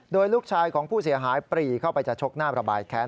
โดยลูกชายของผู้เสียหายปรีเข้าไปจะชกหน้าระบายแค้น